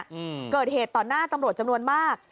อืมเกิดเหตุต่อหน้าตำรวจจำนวนมาก